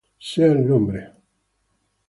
sea el nombre de Jehová bendito.